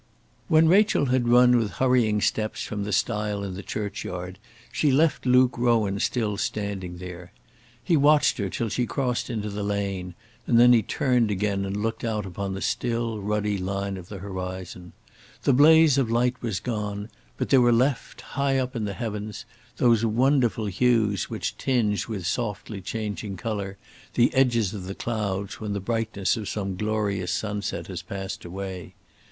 When Rachel had run with hurrying steps from the stile in the churchyard, she left Luke Rowan still standing there. He watched her till she crossed into the lane, and then he turned and again looked out upon the still ruddy line of the horizon. The blaze of light was gone, but there were left, high up in the heavens, those wonderful hues which tinge with softly changing colour the edges of the clouds when the brightness of some glorious sunset has passed away.